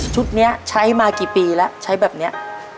นี้ใช้มากี่ปีแล้วใช้แบบนี้